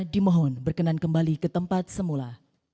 dimohon berkenan kembali ke tempat semula